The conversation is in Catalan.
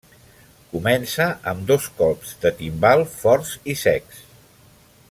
Comença amb dos colps de timbal forts i secs.